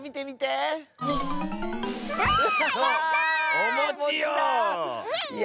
おもちよ。